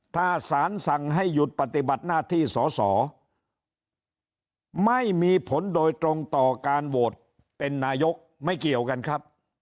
ถ้าสารสั่งให้หยุดปฏิบัติหน้าที่สอสอไม่มีผลโดยตรงต่อการโหวตเป็นนายกไม่เกี่ยวกันครับ